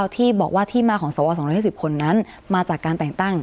ที่บอกว่าที่มาของสว๒๕๐คนนั้นมาจากการแต่งตั้ง